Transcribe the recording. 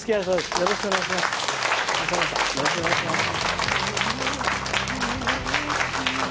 よろしくお願いします。